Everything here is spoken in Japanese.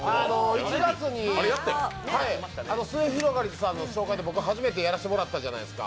１月にすゑひろがりずさんの紹介で初めてやらせてもらったじゃないですか。